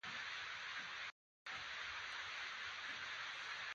سیمه ټول ګلونه وه.